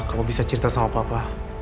kamu bisa cerita sama papa